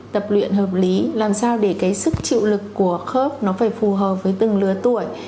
tập luyện hợp lý làm sao để cái sức chịu lực của khớp nó phải phù hợp với từng lứa tuổi